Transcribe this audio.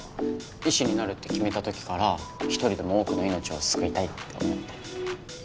医師になるって決めた時から一人でも多くの命を救いたいって思って。